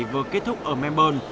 vừa kết thúc ở melbourne